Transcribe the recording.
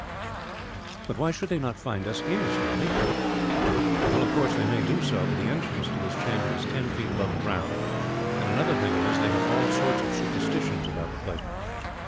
"But why should not they find us here, Stanley?" "Well, of course they may do so, but the entrance to this chamber is ten feet above the ground; and another thing is, they have all sorts of superstitions about the place.